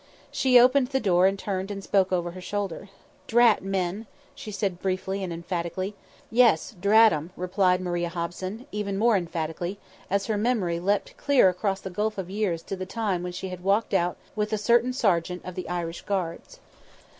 She opened the door and turned and spoke over her shoulder. "Drat men!" she said briefly and emphatically. "Yes, drat 'em!" replied Maria Hobson, even more emphatically, as her memory leapt clear across the gulf of years to the time when she had walked out with a certain Sergeant of the Irish Guards.